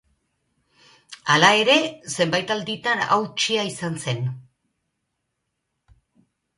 Hala ere, zenbait alditan hautsia izan zen.